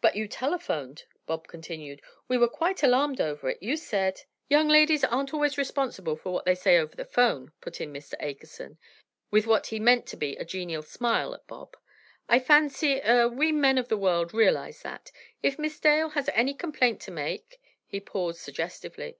"But you telephoned," Bob continued. "We were quite alarmed over it. You said——" "Young ladies aren't always responsible for what they say over the 'phone," put in Mr. Akerson, with what he meant to be a genial smile at Bob. "I fancy—er—we men of the world realize that. If Miss Dale has any complaint to make——" he paused suggestively.